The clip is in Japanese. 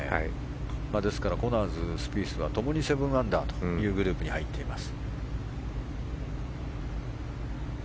ですから、コナーズスピースはともに７アンダーというグループに入っています。